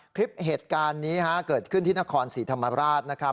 คลิปเหตุการณ์นี้เกิดขึ้นที่นครศรีธรรมราชนะครับ